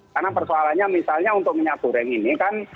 karena persoalannya misalnya untuk minyak goreng ini kan